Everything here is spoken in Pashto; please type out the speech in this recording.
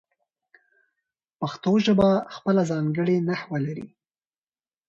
پښتو ژبه خپله ځانګړې نحو لري.